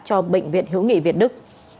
cho bệnh viện hữu nghị việt đức